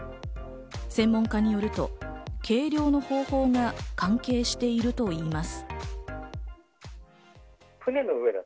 専門家によると、計量の方法が関係しているといいます。